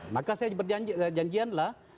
maka saya berjanjianlah